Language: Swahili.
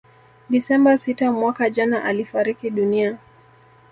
Desemba sita mwaka jana alifariki dunia